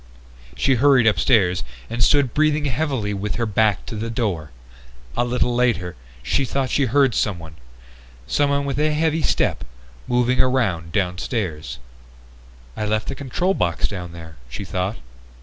She hurried upstairs and stood breathing heavily with her back to the door. A little later she thought she heard someone someone with a heavy step moving around downstairs. "I left the control box down there," she thought.